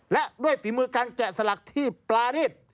และด้วยฝีมือการแกะสลักที่ปลารีด